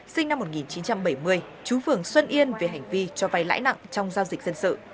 sinh năm một nghìn chín trăm bảy mươi chú phường xuân yên về hành vi cho vay lãi nặng trong giao dịch dân sự